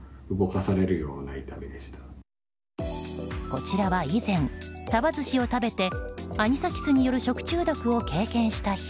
こちらは以前サバ寿司を食べてアニサキスによる食中毒を経験した人。